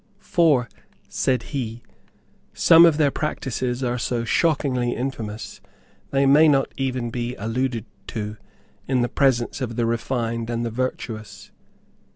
"For," said he, "some of their practices are so shockingly infamous they may not even be alluded to in the presence of the refined and the virtuous.